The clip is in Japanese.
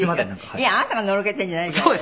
「いやあなたがのろけてるんじゃないから」